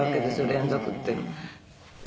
連続って」